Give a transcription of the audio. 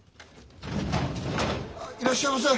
いらっしゃいませ。